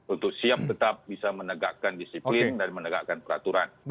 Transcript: untuk siap tetap bisa menegakkan disiplin dan menegakkan peraturan